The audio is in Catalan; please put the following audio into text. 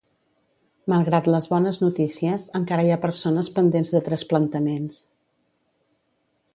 Malgrat les bones notícies, encara hi ha persones pendents de trasplantaments.